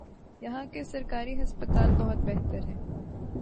یہاں کے سرکاری ہسپتال بہت بہتر ہیں۔